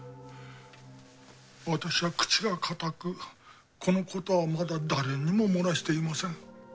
私は口が堅くこのことはまだ誰にも漏らしていません。